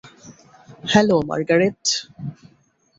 Hello, Margaret.